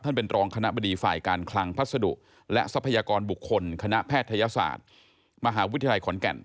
เป็นรองคณะบดีฝ่ายการคลังพัสดุและทรัพยากรบุคคลคณะแพทยศาสตร์มหาวิทยาลัยขอนแก่น